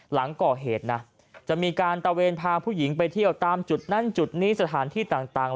หลังก่อเหตุนะจะมีการตะเวนพาผู้หญิงไปเที่ยวตามจุดนั้นจุดนี้สถานที่ต่าง